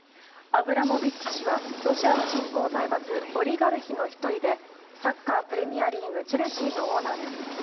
アブラモビッチ氏はロシアの新興財閥オリガルヒの１人でサッカープレミアリーグチェルシーのオーナーです。